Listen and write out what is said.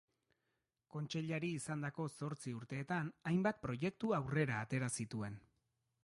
Kontseilari izandako zortzi urteetan hainbat proiektu aurrera atera zituen.